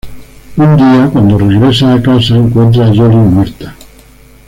Un día cuando regrese a casa, encuentra a Jolly muerta.